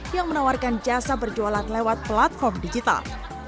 yang menawarkan jasa berjualan lewat platform digital